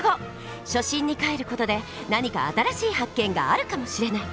初心にかえる事で何か新しい発見があるかもしれない！